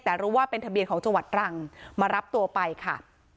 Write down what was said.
แต่รู้ว่าเป็นทะเบียนของจังหวัดตรังมารับตัวไปค่ะ